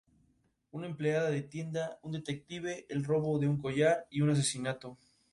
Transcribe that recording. Desde muy pequeño mostró mucho entusiasmo y disciplina por la música.